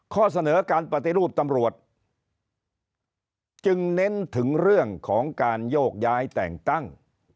ข้อเสนอการปฏิรูปตำรวจจึงเน้นถึงเรื่องของการโยกย้ายแต่งตั้ง